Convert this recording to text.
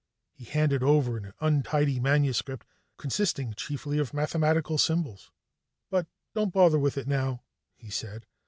He handed over an untidy manuscript consisting chiefly of mathematical symbols. "But don't bother with it now," he said.